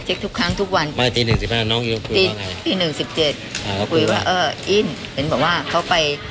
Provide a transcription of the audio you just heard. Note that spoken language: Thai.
เช็คทุกครั้งทุกวันตีหนึ่งสิบเจ็ดคุยว่าเออเป็นบอกว่าเขาไป